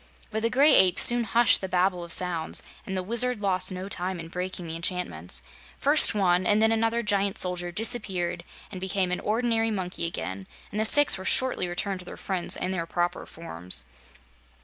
But the Gray Ape soon hushed the babel of sounds, and the Wizard lost no time in breaking the enchantments. First one and then another giant soldier disappeared and became an ordinary monkey again, and the six were shortly returned to their friends in their proper forms.